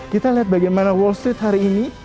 kita lihat bagaimana wall street hari ini